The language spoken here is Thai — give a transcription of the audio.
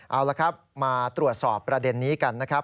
เอาละครับมาตรวจสอบประเด็นนี้กันนะครับ